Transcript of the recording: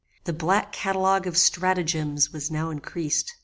The black catalogue of stratagems was now increased.